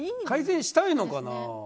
改善したいのかな。